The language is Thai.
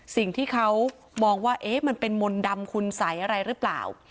สิ่งที่เขามองว่ามันเป็นมนต์ดำคุณสัยอะไรหรือเปล่า